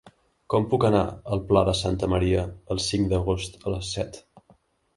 Com puc anar al Pla de Santa Maria el cinc d'agost a les set?